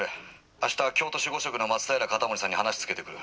明日京都守護職の松平容保さんに話つけてくる。